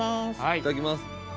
・いただきます